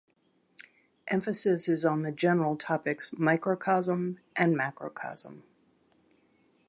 Emphasis is on the general topics "microcosm" and "macrocosm".